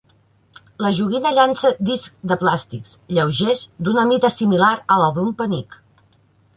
La joguina llança discs de plàstic lleugers d'una mida similar a la d'un penic.